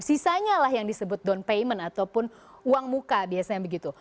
sisanya lah yang disebut down payment ataupun uang muka biasanya begitu